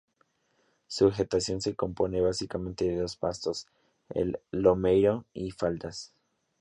Su vegetación se compone básicamente de pastos en lomerío y faldas.